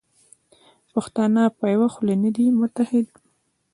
پښتانه په یوه خوله نه دي متحد.